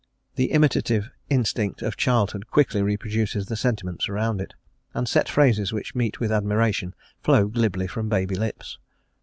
The imitative instinct of childhood quickly reproduces the sentiments around it, and set phrases which meet with admiration flow glibly from baby lips.